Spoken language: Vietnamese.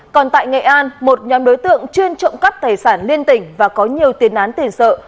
còn tại nghệ an một nhóm đối tượng chuyên trộm cắp tài sản liên tỉnh và có nhiều tiền án tiền sự